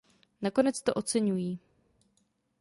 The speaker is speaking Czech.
Nakonec to oceňují.